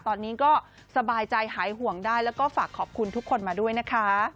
ตอนนี้ก็สบายใจหายห่วงได้แล้วก็ฝากขอบคุณทุกคนมาด้วยนะคะ